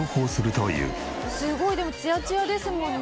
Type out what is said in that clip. すごいでもツヤツヤですもんね。